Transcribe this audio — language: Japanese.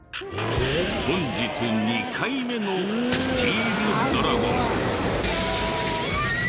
本日２回目のスチールドラゴン。